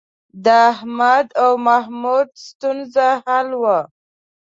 د احمد او محمود ستونزه حل وه.